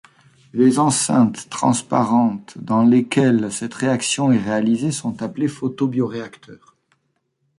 Les enceintes transparentes dans lesquelles cette réaction est réalisée sont appelées photobioréacteurs.